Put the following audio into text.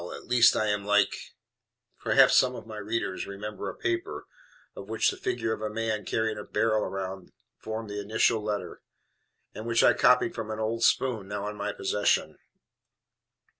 At least I am like " Perhaps some of my readers remember a paper of which the figure of a man carrying a barrel formed the initial letter, and which I copied from an old spoon now in my possession.